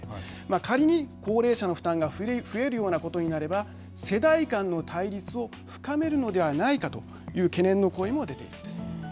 仮に高齢者の負担が増えるようなことになれば世代間の対立を深めるのではないかという懸念の声も出ているんです。